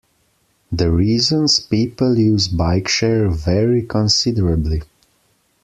The reasons people use bike-share vary considerably.